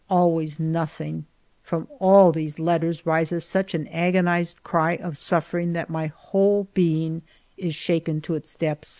Always nothing ! From all these letters rises such an agonized cry of suffering that my whole being is shaken to its depths.